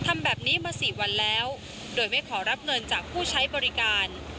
มาสี่วันแล้วโดยไม่ขอรับเงินจากผู้ใช้บริการ